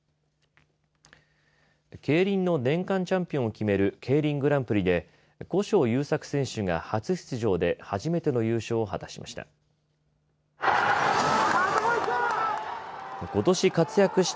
競輪の年間チャンピオンを決めるＫＥＩＲＩＮグランプリで古性優作選手が初出場で初めての優勝を果たしました。